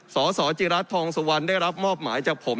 สสจิรัตน์ทองสวันได้รับมอบหมายจากผม